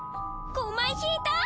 ５枚引いた！？